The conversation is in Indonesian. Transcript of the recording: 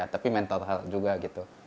atau hal hal juga gitu